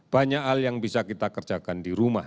banyak hal yang bisa kita kerjakan di rumah